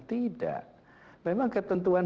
tidak memang ketentuan